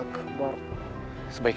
suara siapa itu